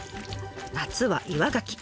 夏は岩ガキ。